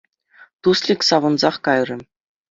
Туслик савӑнсах кайрӗ.